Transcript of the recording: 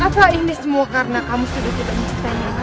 apa ini semua karena kamu sudah tidak mencintai aku